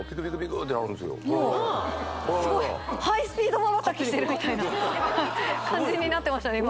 スゴいハイスピードまばたきしてるみたいな感じになってましたね